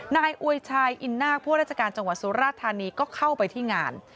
นายอวยชายอินนาคพวกราชการจังหวัดสุราธานีก็เข้าไปที่งาน